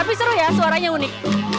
tapi seru ya suaranya unik